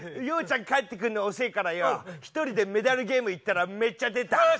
洋ちゃん帰ってくんの遅えからよ１人でメダルゲーム行ったらめっちゃ出た。